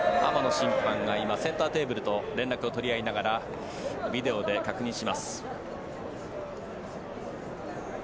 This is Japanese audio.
審判が今、センターテーブルと連絡を取り合いながらビデオで確認します。